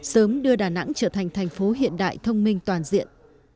sớm đưa đà nẵng trở thành thành phố hiện đại thông minh toàn diện